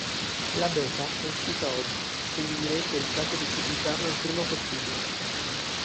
La beta è uscita oggi quindi direi che è il caso di pubblicarlo il prima possibile.